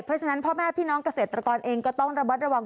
เพราะฉะนั้นพ่อแม่พี่น้องเกษตรกรเองก็ต้องระมัดระวัง